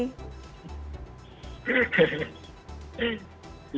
ini dirjen pajak mengucapkan selamat dan mengingatkan mas gozali